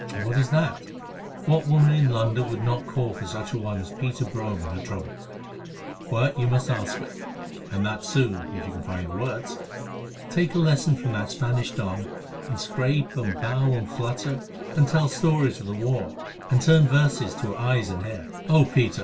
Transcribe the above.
"And what is that? What woman in London would not call for such a one as Peter Brome in her trouble? Well, you must ask her, and that soon, if you can find the words. Take a lesson from that Spanish don, and scrape and bow and flatter and tell stories of the war and turn verses to her eyes and hair. Oh, Peter!